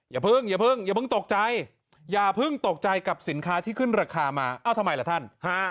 อย่าเพิ่งอย่าเพิ่งตกใจอย่าเพิ่งตกใจกับสินค้าที่ขึ้นราคามาเอ้าทำไมล่ะท่าน